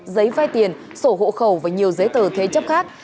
giấy vai tiền sổ hộ khẩu và nhiều giấy tờ thế chấp khác